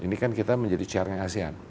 ini kan kita menjadi chairnya asean